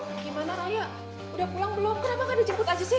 gimana raya udah pulang belum kenapa kan dijemput aja sih